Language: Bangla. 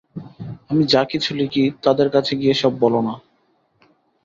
আমি যা কিছু লিখি, তাদের কাছে গিয়ে সব বল না।